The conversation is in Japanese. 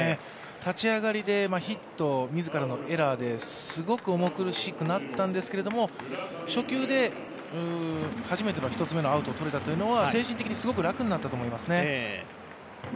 立ち上がりでヒット、自らのエラーですごく重苦しくなったんですけど初球で初めての１つ目のアウトをとれたというのは精神的にすごく楽になったと思いますね。